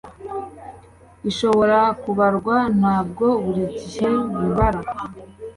ibishobora kubarwa ntabwo buri gihe bibara.